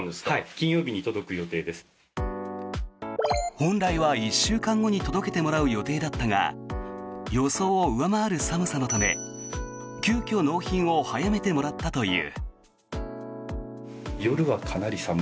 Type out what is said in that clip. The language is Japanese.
本来は１週間後に届けてもらう予定だったが予想を上回る寒さのため急きょ納品を早めてもらったという。